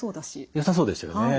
よさそうでしたよね。